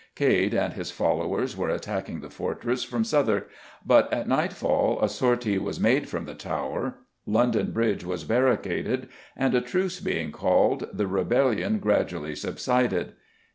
Cade and his followers were attacking the fortress from Southwark, but at nightfall a sortie was made from the Tower, London Bridge was barricaded, and, a truce being called, the rebellion gradually subsided.